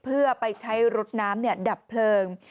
เพื่อไปใช้รถน้ำดับเพลิง